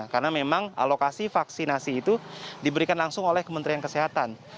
karena memang alokasi vaksinasi itu diberikan langsung oleh kementerian kesehatan